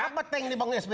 apa tank yang dibangun sby